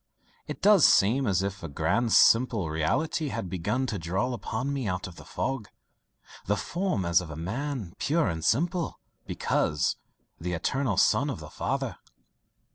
It does seem as if a grand simple reality had begun to dawn upon me out of the fog the form as of a man pure and simple, because the eternal son of the Father."